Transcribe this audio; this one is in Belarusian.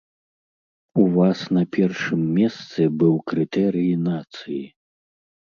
У вас на першым месцы быў крытэрый нацыі.